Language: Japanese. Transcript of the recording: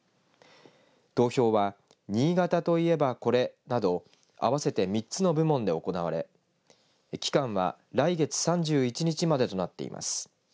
投票は新潟といえば「コレ」など合わせて３つの部門で行われ期間は来月３１日までとなっています。